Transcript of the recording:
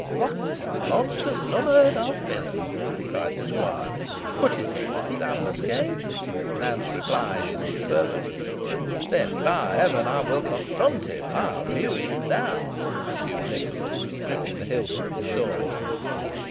"What a monstrous and unheard of villain!" cried the squire. "But is he one of the ambuscade?" Nance replied in the affirmative. "Then, by heaven! I will confront him I will hew him down," pursued Nicholas, griping the hilt of his sword.